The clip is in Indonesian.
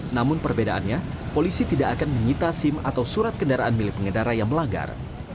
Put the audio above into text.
namun perbedaannya polisi tidak akan menyita sim atau surat kendaraan milik pengendara yang melanggar